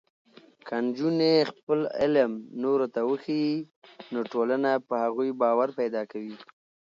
که نجونې خپل علم نورو ته وښيي، نو ټولنه په هغوی باور پیدا کوي.